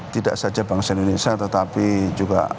tidak saja bangsa indonesia tetapi juga